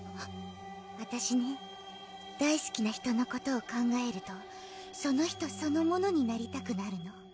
私ね大好きな人のことを考えるとその人そのものになりたくなるの。